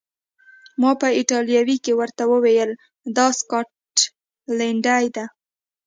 ما په ایټالوي کې ورته وویل: دا سکاټلنډۍ ده.